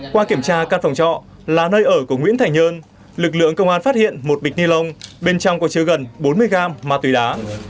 qua kiểm tra căn phòng trọ là nơi ở của nguyễn thảnh nhơn lực lượng công an phát hiện một bịch ni lông bên trong có chứa gần bốn mươi gram ma túy đá